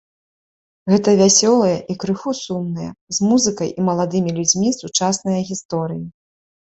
Гэта вясёлыя і крыху сумныя, з музыкай і маладымі людзьмі сучасныя гісторыі.